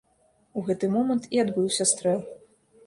У гэты момант і адбыўся стрэл.